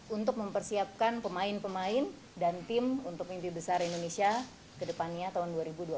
untuk mempersiapkan pemain pemain dan tim untuk mimpi besar indonesia ke depannya tahun dua ribu dua puluh tiga